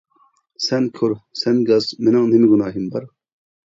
سەن كور، سەن گاس، مېنىڭ نېمە گۇناھىم بار.